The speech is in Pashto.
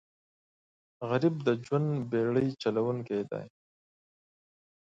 غریب د ژوند بېړۍ چلوونکی دی